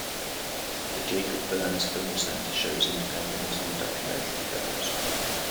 The Jacob Burns Film Center shows independent and documentary films.